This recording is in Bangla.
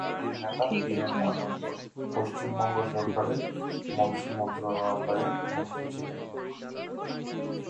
দলটির নেতা কিরণ্ময় নন্দ পশ্চিমবঙ্গ সরকারের মৎস্য মন্ত্রণালয়ের মন্ত্রী ছিলেন।